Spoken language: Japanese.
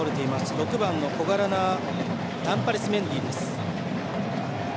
６番の小柄なナンパリス・メンディです。